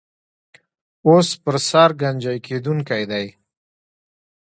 اوس پر سر ګنجۍ کېدونکی دی.